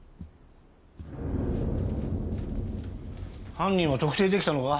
犯人は特定できたのか？